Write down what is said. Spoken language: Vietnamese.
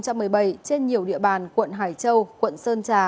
trên nhiều địa bàn quận hải châu quận sơn trà